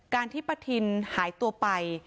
การที่ปะทินหายตัวไป